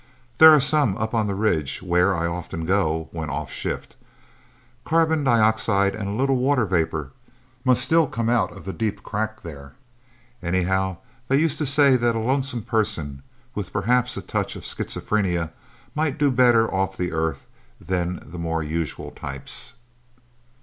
There are some up on the ridge, where I often go, when offshift. Carbon dioxide and a little water vapor must still come out of the deep crack there... Anyhow, they used to say that a lonesome person with perhaps a touch of schizophrenia might do better off the Earth than the more usual types."